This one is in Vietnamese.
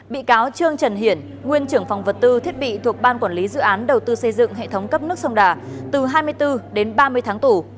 bị cáo trương trần hiển nguyên trưởng phòng vật tư thiết bị thuộc ban quản lý dự án đầu tư xây dựng hệ thống cấp nước sông đà từ hai mươi bốn đến ba mươi tháng tù